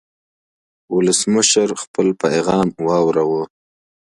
ولسمشر خپل پیغام واوراوه.